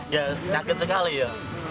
ya kaget sekali ya